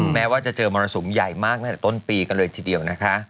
แม้ว่าจะเจอมรสุมใหญ่มากตั้งแต่ต้นปีกันเลยทีเดียวนะคะ